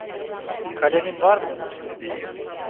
Kalemin var mı?